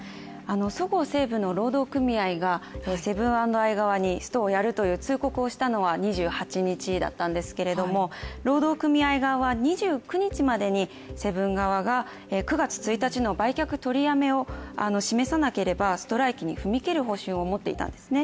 そごう・西武の労働組合がセブン＆アイ側にストをやるという通告をしたのは２８日だったんですけれども、労働組合側は２９日までにセブン側が９月１日の売却取りやめを示さなければストライキに踏み切る方針を持っていたんですね。